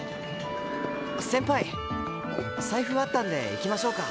先輩財布あったんで行きましょうか。